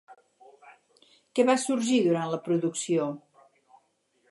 Què va sorgir durant la producció?